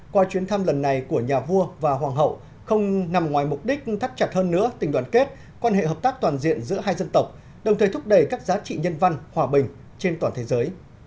qua chuyến thăm lần này của nhà vua và hoàng hậu không nằm ngoài mục đích thắt chặt hơn nữa tình đoàn kết quan hệ hợp tác toàn diện giữa hai dân tộc đồng thời thúc đẩy các giá trị nhân văn hòa bình trên toàn thế giới